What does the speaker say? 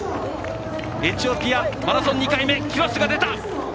エチオピア、マラソン２回目キロスが出た！